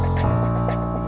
aku sudah berhenti